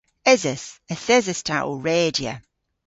Eses. Yth eses ta ow redya.